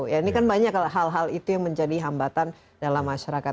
ini kan banyak hal hal itu yang menjadi hambatan dalam masyarakat